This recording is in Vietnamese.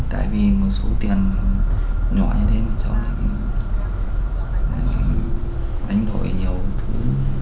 tại vì một số tiền nhỏ như thế mà cháu lại đánh đổi nhiều thứ